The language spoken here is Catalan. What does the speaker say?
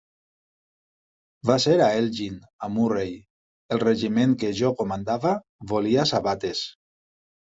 Va ser a Elgin, a Murray; el regiment que jo comandava volia sabates.